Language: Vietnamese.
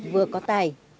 vừa có tài